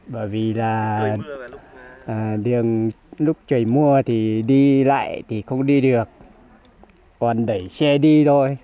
bởi vì là đường lúc trời mưa thì đi lại thì không đi được còn đẩy xe đi thôi